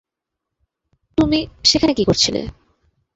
তুমি সেখানে কী করছিলে?